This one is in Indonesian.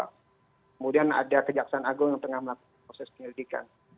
kemudian ada kejaksaan agung yang tengah melakukan proses penyelidikan